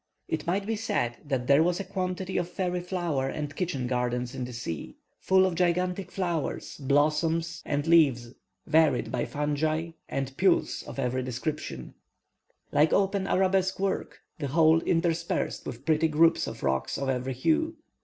It might be said that there was a quantity of fairy flower and kitchen gardens in the sea, full of gigantic flowers, blossoms, and leaves, varied by fungi and pulse of every description, like open arabesque work, the whole interspersed with pretty groups of rocks of every hue.